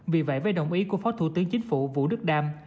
vì vậy với đồng ý của phó thủ tướng chính phủ vũ đức đam